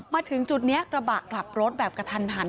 มาถึงจุดนี้กระบะกลับรถแบบกระทันหัน